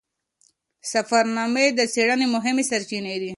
سفرنامې د څیړنې مهمې سرچینې دي.